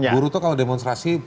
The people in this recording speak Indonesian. buruh itu kalau demonstrasi